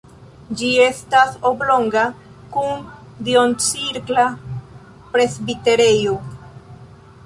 Ĝi estas oblonga kun duoncirkla presbiterejo.